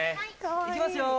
行きますよ